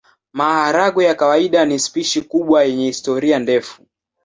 Maharagwe ya kawaida ni spishi kubwa yenye historia ndefu.